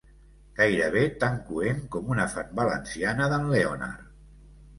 Gairebé tan coent com una fan valenciana d'en Leonard.